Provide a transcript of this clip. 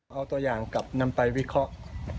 เอาตัวอย่างกลับนำไปวิเคราะห์